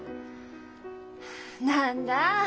何だ。